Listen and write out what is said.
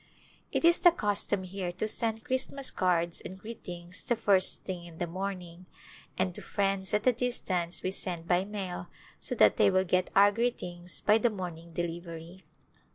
It is the custom here to send Christmas cards and greetings the first thing in the morning, and to friends at a distance we send by mail so that they will get our greetings by the morning delivery.